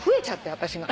私が。